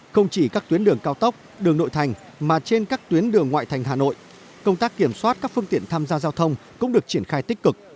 không chỉ các tuyến đường cao tốc đường nội thành mà trên các tuyến đường ngoại thành hà nội công tác kiểm soát các phương tiện tham gia giao thông cũng được triển khai tích cực